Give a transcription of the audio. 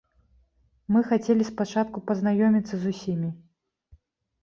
Мы хацелі спачатку пазнаёміцца з усімі.